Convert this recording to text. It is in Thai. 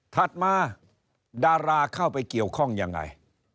ถัดมาดาราเข้าไปเกี่ยวข้องยังไง